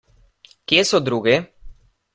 Kje so drugi?